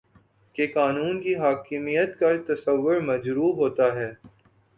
کہ قانون کی حاکمیت کا تصور مجروح ہوتا ہے